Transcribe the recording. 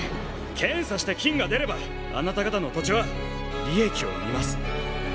検査して金が出ればあなた方の土地は利益を生みます。